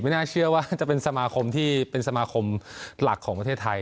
น่าเชื่อว่าจะเป็นสมาคมที่เป็นสมาคมหลักของประเทศไทย